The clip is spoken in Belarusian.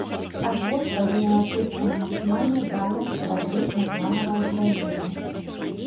Адвод павінен адбыцца на максімальную дальнасць стральбы названага ўзбраення.